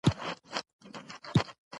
له ژبې پرته دا همکاري ناشونې وه.